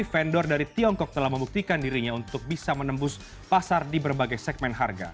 vendor dari tiongkok telah membuktikan dirinya untuk bisa menembus pasar di berbagai segmen harga